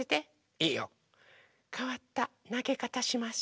いいよ。かわったなげかたします。